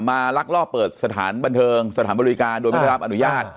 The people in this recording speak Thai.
ลักลอบเปิดสถานบันเทิงสถานบริการโดยไม่ได้รับอนุญาต